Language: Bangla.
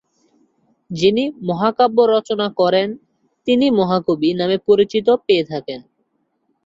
যিনি মহাকাব্য রচনা করেন, তিনি মহাকবি নামে পরিচিতি পেয়ে থাকেন।